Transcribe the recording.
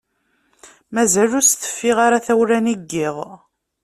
Mazal ur as-teffiɣ ara tawla-nni n yiḍ.